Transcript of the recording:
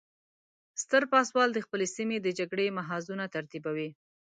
ستر پاسوال د خپلې سیمې د جګړې محاذونه ترتیبوي.